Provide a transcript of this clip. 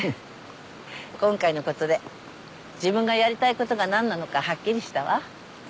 今回のことで自分がやりたいことが何なのかはっきりしたわ。